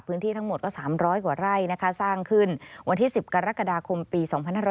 ทั้งหมดก็๓๐๐กว่าไร่สร้างขึ้นวันที่๑๐กรกฎาคมปี๒๕๖๐